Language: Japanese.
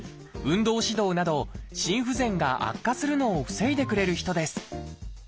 運動指導など心不全が悪化するのを防いでくれる人です。